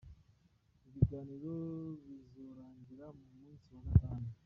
Ibiganiro bizorangira ku musi wa gatanu.